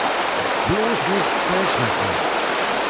Jetzt bloß nichts falsch machen!